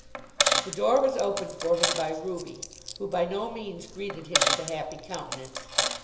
The door was opened for him by Ruby, who by no means greeted him with a happy countenance.